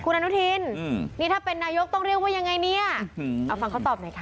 คุณอนุทินนี่ถ้าเป็นนายกต้องเรียกว่ายังไงเนี่ยเอาฟังเขาตอบหน่อยค่ะ